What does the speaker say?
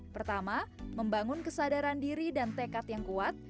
pertama membangun kesadaran diri dan tekad yang kuat